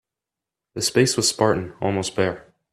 The space was spartan, almost bare.